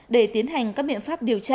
để tiến hành các biện pháp điều tra